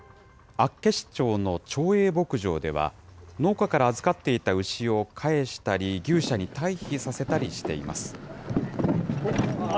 厚岸町の町営牧場では、農家から預かっていた牛を返したり、牛舎に退避させたりしています。